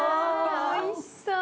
おいしそう。